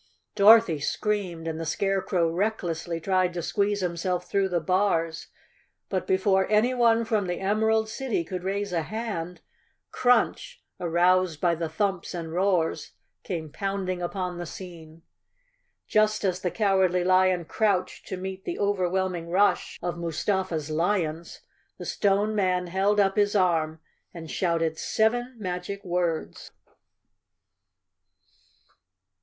Dorothy screamed and the Scarecrow recklessly tried to squeeze himself through the bars, but before any¬ one from the Emerald City could raise a hand, Crunch, aroused by the thumps and roars, came pounding upon the scene. Just as the Cowardly Lion crouched to meet the overwhelming rush of Mustafa's lions, the Stone Man held up his arm and shouted seven magic words!